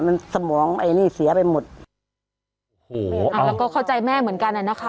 มันสมองไอ้นี่เสียไปหมดโอ้โหอ่าแล้วก็เข้าใจแม่เหมือนกันอ่ะนะคะ